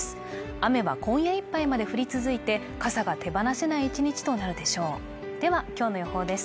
雨は今夜いっぱいまで降り続いて傘が手放せない１日となるでしょうではきょうの予報です